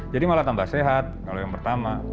jadi malah tambah sehat kalau yang pertama